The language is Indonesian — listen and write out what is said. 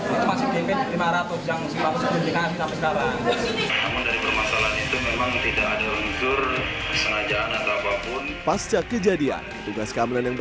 saya ingin menyatakan bahwa saya minta maaf atas kejadian kemarin